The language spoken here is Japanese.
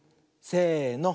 せの。